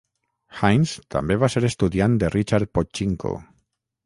Hines també va ser estudiant de Richard Pochinko.